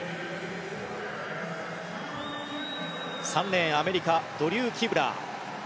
３レーン、アメリカドリュー・キブラー。